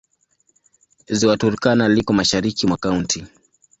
Ziwa Turkana liko mashariki mwa kaunti.